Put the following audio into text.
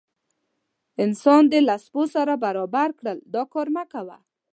انسان دې له سپو سره برابر کړل دا کار مه کوه.